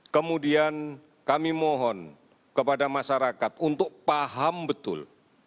kemudian kami mohon kepada masyarakat untuk paham betul